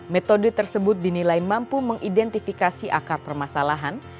metode tersebut dinilai mampu mengidentifikasi akar permasalahan